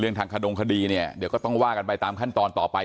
ทางขดงคดีเนี่ยเดี๋ยวก็ต้องว่ากันไปตามขั้นตอนต่อไป